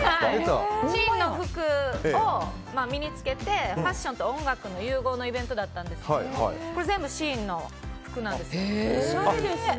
ＳＨＥＩＮの服を身に着けてファッションと音楽の融合のイベントだったんですけどこれ全部ＳＨＥＩＮの服なんです。